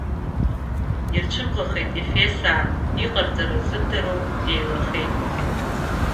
Ирцәымӷхеит ефесаа, иҟарҵара рзымдыруа еилахеит.